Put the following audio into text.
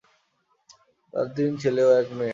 তার তিন ছেলে ও এক মেয়ে।